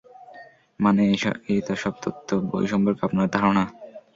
মানে এতসব তত্ত্ব, বই সম্পর্কে আপনার ধারণা।